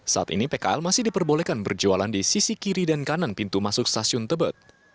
saat ini pkl masih diperbolehkan berjualan di sisi kiri dan kanan pintu masuk stasiun tebet